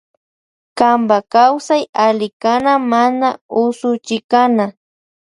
Kanpa kawsay alli kana mana usuchikana.